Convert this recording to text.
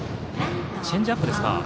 チェンジアップですか。